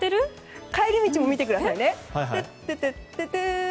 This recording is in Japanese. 帰り道も見てください。